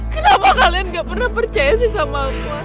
kenapa kalian gak pernah percaya sih sama aku